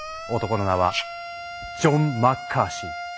男の名はジョン・マッカーシー。